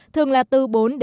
thường là từ bốn năm